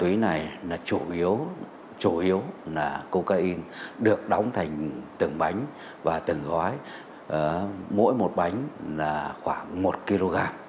mỗi gói ma túy này chủ yếu là cocaine được đóng thành từng bánh và từng gói mỗi một bánh khoảng một kg